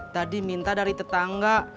tadi minta dari tetangga